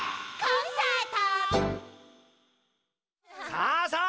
さあさあ